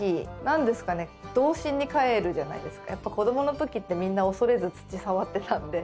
やっぱ子どものときってみんな恐れず土触ってたんで。